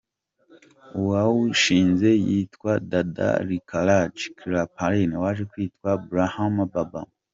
Uwawushinze yitwaga Dada Lekhraj Kripalani, waje kwitwa Brahma Baba.